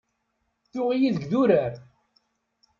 Tuɣ-iyi deg idurar.